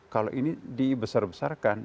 kalau ini dibesar besarkan